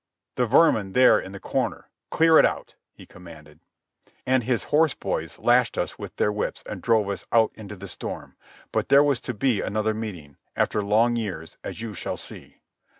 "The vermin there in the corner—clear it out," he commanded. And his horse boys lashed us with their whips and drove us out into the storm. But there was to be another meeting, after long years, as you shall see.